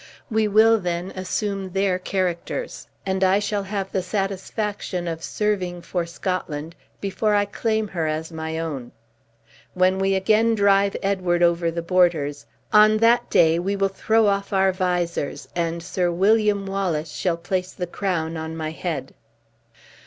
We will, then, assume their characters; and I shall have the satisfaction of serving for Scotland before I claim her as my own. When we again drive Edward over the boarders, on that day we will throw off our visors, and Sir William Wallace shall place the crown on my head."